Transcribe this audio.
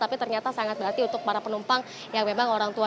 tapi ternyata sangat berarti untuk para penumpang yang memang orang tua